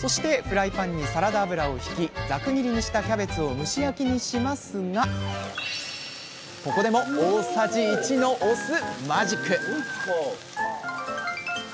そしてフライパンにサラダ油をひきざく切りにしたキャベツを蒸し焼きにしますがここでも大さじ１のお酢マジック！